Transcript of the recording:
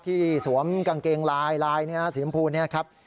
ที่สวมกางเกงติดลายลายสีฟ้ามพูดเนี่ยครับ